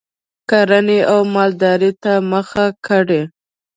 کرنې او مالدارۍ ته مخه کړي